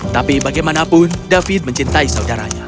tapi bagaimanapun david mencintai saudaranya